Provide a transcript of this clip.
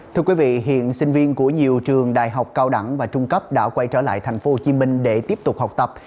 thưa quý vị hiện sinh viên của nhiều trường đại học cao đẳng và trung cấp đã quay trở lại thành phố hồ chí minh để tiếp tục học tập